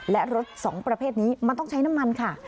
และรถสองประเภทนี้มันต้องใช้น้ำมันค่ะ